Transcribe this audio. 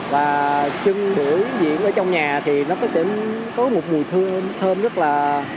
và chưng bưởi diễn ở trong nhà thì nó sẽ có một mùi thơm rất là